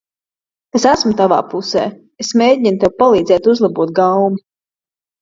Es esmu tavā pusē. Es mēģinu tev palīdzēt uzlabot gaumi.